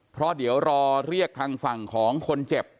เพราะเดี๋ยวรอเรียกทางฝั่งของคนเจ็บ